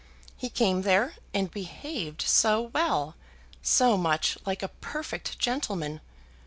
He came there, and behaved so well, so much like a perfect gentleman.